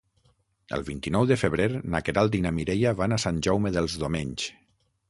El vint-i-nou de febrer na Queralt i na Mireia van a Sant Jaume dels Domenys.